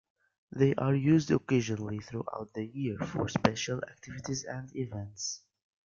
They are used occasionally throughout the year for special activities and events.